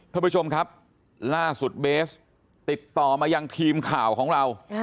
ท่านผู้ชมครับล่าสุดเบสติดต่อมายังทีมข่าวของเรา